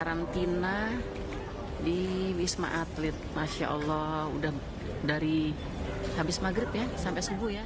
karantina di wisma atlet masya allah udah dari habis maghrib ya sampai subuh ya